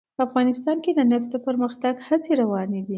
افغانستان کې د نفت د پرمختګ هڅې روانې دي.